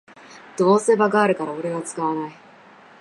どうせバグあるからオレは使わない